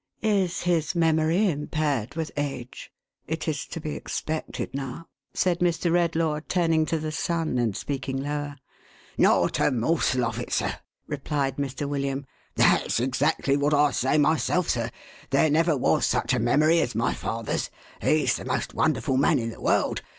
" Is his memory impaired with age ? It is to be expected now," said Mr. Redlaw, turning to the son, and speaking lower. " Not a morsel of it, sir," replied Mr. William. « That's exactly what I say myself, sir. There never was such a memory as my father's. He's the most wonderful man in the world.